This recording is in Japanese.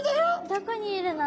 どこにいるの？